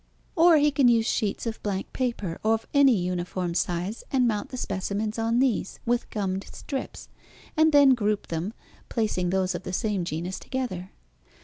Or he can use sheets of blank paper of any uniform size and mount the specimens on these with gummed strips, and then group them, placing those of the same genus together.